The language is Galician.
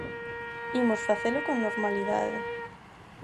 Imos facelo con normalidade.